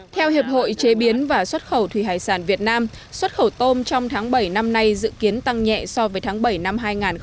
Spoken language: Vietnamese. theo hiệp hội chế biến và xuất khẩu thủy hải sản việt nam xuất khẩu tôm trong tháng bảy năm nay dự kiến tăng nhẹ so với tháng bảy năm hai nghìn một mươi tám